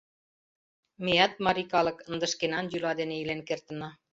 Меат, марий калык, ынде шкенан йӱла дене илен кертына.